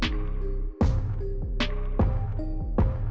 itu ada kedepok yang berada di depok